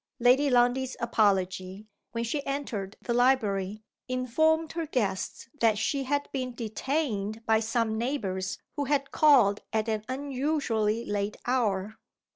Lady Lundie's apology, when she entered the library, informed her guests that she had been detained by some neighbors who had called at an unusually late hour.